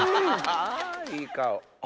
あいい顔。